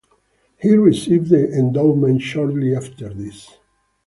He received the endowment shortly after this.